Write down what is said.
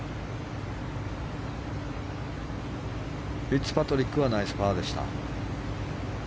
フィッツパトリックはナイスパーでした。